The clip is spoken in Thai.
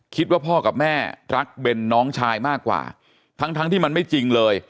คิดว่าพ่อกับแม่รักเบนน้องชายมากกว่าทั้งที่มันไม่จริงเลย